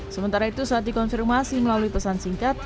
sementara itu saat dikonfirmasi melalui pesan singkat